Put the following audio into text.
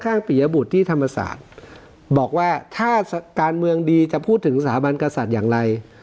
ปียบุตรที่ธรรมศาสตร์บอกว่าถ้าการเมืองดีจะพูดถึงสถาบันกษัตริย์อย่างไร